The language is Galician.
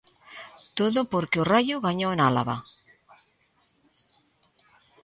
Todo porque o Raio gañou en Álava.